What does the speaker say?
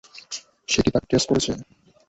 সে কি তাকে ট্রেস করেছে?